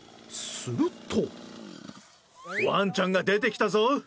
すると。